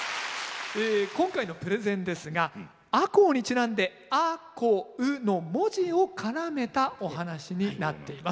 今回のプレゼンですが赤穂にちなんで「あ・こ・う」の文字を絡めたお話になっています。